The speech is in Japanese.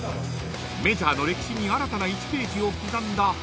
［メジャーの歴史に新たな１ページを刻んだ］